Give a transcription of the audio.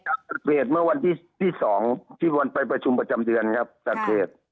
เกิดเหตุเมื่อวันที่สองที่วันไปประชุมประจำเดือนครับจากเขต